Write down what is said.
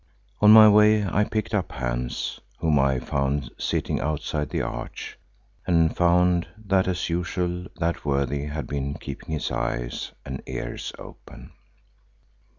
On my way I picked up Hans, whom I found sitting outside the arch, and found that as usual that worthy had been keeping his eyes and ears open.